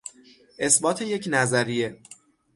اثبات یک نظریه